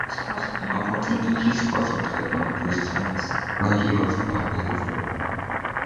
Unfortunately, his father died at this time when he was away from home.